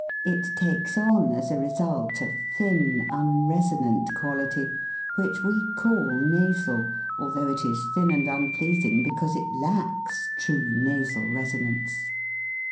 It takes on, as a result, a thin, unresonant quality which we call nasal, although it is thin and unpleasing because it lacks true nasal resonance.